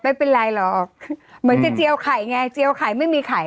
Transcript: ไม่เป็นไรหรอกเหมือนจะเจียวไข่ไงเจียวไข่ไม่มีไข่